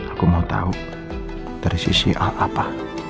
aku mau tahu dari sisi apa